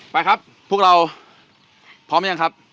ไปครับพวกเราพร้อมหรือยังครับ